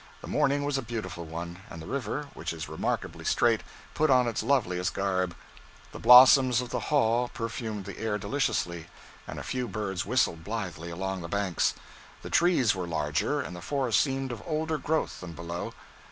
The morning was a beautiful one, and the river, which is remarkably straight, put on its loveliest garb. The blossoms of the haw perfumed the air deliciously, and a few birds whistled blithely along the banks. The trees were larger, and the forest seemed of older growth than below.